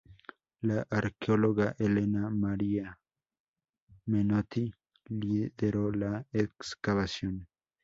La arqueóloga Elena Maria Menotti lideró la excavación.